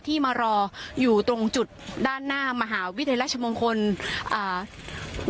ที่มารออยู่ตรงจุดด้านหน้ามหาวิทยาลัยราชมงคลอ่า